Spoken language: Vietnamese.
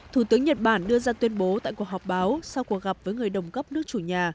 thủ tướng nhật bản đưa ra tuyên bố tại cuộc họp báo sau cuộc gặp với người đồng cấp nước chủ nhà